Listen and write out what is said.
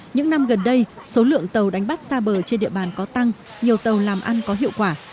những năm gần đây số lượng tàu đánh bắt xa bờ trên địa bàn có tăng nhiều tàu làm ăn có hiệu quả